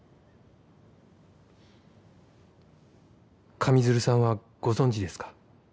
上水流さんはご存じですか？